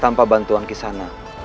tanpa bantuan kisana